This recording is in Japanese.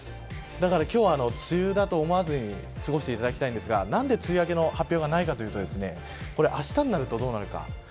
だから今日は梅雨だと思わずに過ごしていただきたいんですがなんで梅雨明けの発表がないかというとこれあしたになるとどうなるか。